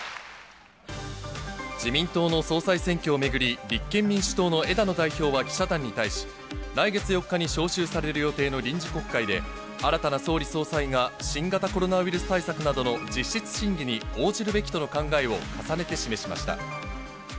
自民党の総裁選挙を巡り、立憲民主党の枝野代表は記者団に対し、来月４日に召集される予定の臨時国会で、新たな総理・総裁が新型コロナウイルス対策などの実質審議に応じるべきとの考えを重ねて示しました。